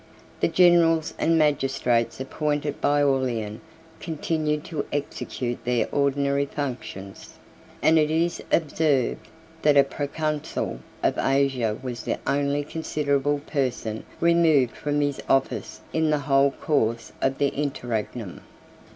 201 The generals and magistrates appointed by Aurelian continued to execute their ordinary functions; and it is observed, that a proconsul of Asia was the only considerable person removed from his office in the whole course of the interregnum.